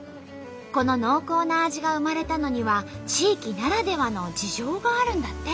この濃厚な味が生まれたのには地域ならではの事情があるんだって。